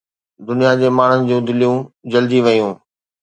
دنيا جي ماڻهن جون دليون جلجي ويون